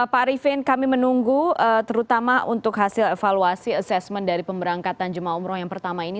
pak arifin kami menunggu terutama untuk hasil evaluasi assessment dari pemberangkatan jemaah umroh yang pertama ini